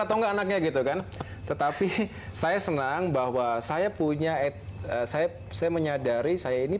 atau enggak anaknya gitu kan tetapi saya senang bahwa saya punya saya saya menyadari saya ini